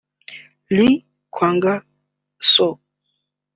Lee Kwang-soo